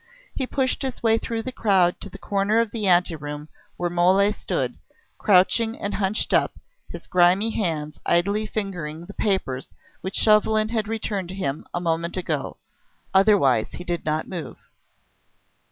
He pushed his way through the crowd to the corner of the anteroom where Mole stood, crouching and hunched up, his grimy hands idly fingering the papers which Chauvelin had returned to him a moment ago. Otherwise he did not move.